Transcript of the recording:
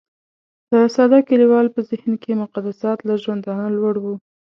د ساده کليوال په ذهن کې مقدسات له ژوندانه لوړ وو.